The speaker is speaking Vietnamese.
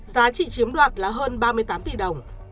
giá trị chiếm đoạt là hơn ba mươi tám tỷ đồng